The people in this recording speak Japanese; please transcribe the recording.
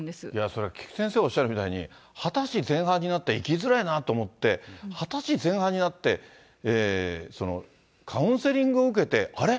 それは菊池先生おっしゃるみたいに、２０歳前半になって生きづらいなって思って、２０歳前半になって、カウンセリングを受けて、あれ？